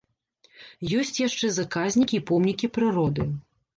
Ёсць яшчэ заказнікі і помнікі прыроды.